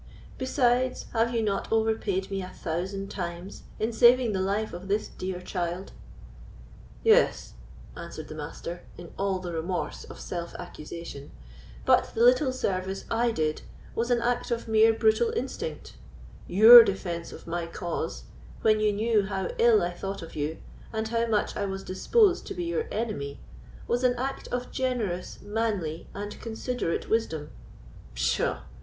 Besides, have you not overpaid me a thousand times, in saving the life of this dear child?" "Yes," answered the Master, in all the remorse of self accusation; "but the little service I did was an act of mere brutal instinct; your defence of my cause, when you knew how ill I thought of you, and how much I was disposed to be your enemy, was an act of generous, manly, and considerate wisdom." "Pshaw!"